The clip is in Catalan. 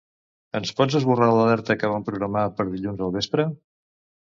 Ens pots esborrar l'alerta que vam programar per dilluns al vespre?